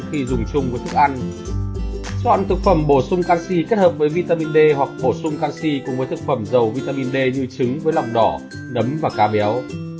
khi dùng chung với thức ăn chọn thực phẩm bổ sung canxi kết hợp với vitamin d hoặc bổ sung canxi cùng với thực phẩm dầu vitamin d như trứng với lòng đỏ nấm và cá béo